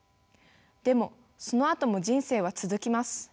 でもそのあとも人生は続きます。